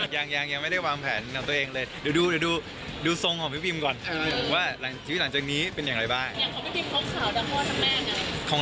ยังไม่ได้วางแผนกับตัวเองเลยเดี๋ยวดูทรงของพี่พิมก่อนว่าชีวิตหลังจากนี้เป็นอย่างไรบ้าง